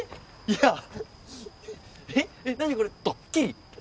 いやえっ何これドッキリ？